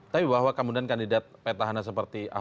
tapi bahwa kemudian kandidat petahana seperti ahok